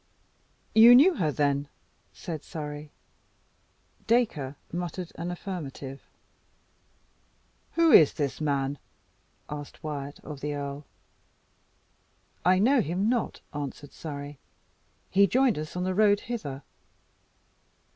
"You knew her, then?" said Surrey. Dacre muttered an affirmative. "Who is this man?" asked Wyat of the earl. "I know him not," answered Surrey. "He joined us on the road hither."